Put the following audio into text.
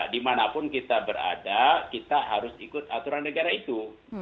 dimanapun kita berada kita harus ikut aturan negara itu